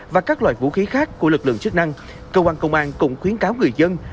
và các loại vũ khí khác của lực lượng chức năng cơ quan công an cũng khuyến cáo người dân